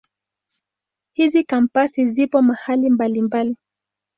Hizi Kampasi zipo mahali mbalimbali.